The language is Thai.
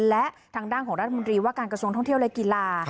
และทางด้านของรัฐมนตรีว่าการกระทรวงท่องเที่ยวและกีฬา